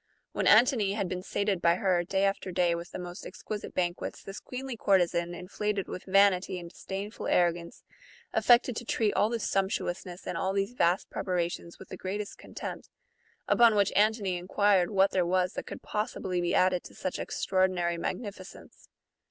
AVhen Antony had been sated by her, day after day, with the most exquisite banquets, this queenly courtesan, inflated with vanity and dis dainful arrogance, affected to treat all this sumptuousness and all these vast preparations with the greatest contempt ; upon which Antony enquired what there was that could possibly be added to such extraordinary magnificence.